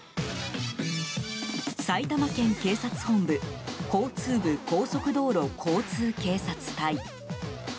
埼玉県警察本部交通部高速道路交通警察隊。